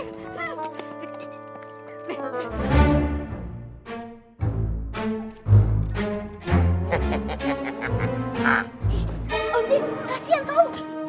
om jin kasian tau